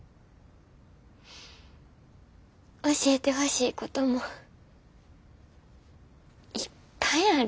教えてほしいこともいっぱいある。